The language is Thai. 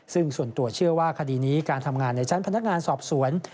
ซึ่งส่วนตัวเชื่อว่าคดีนี้การทำงานในชั้นพนักงานสอบสวน